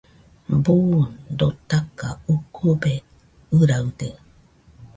Buu dotaka ukube ɨraɨde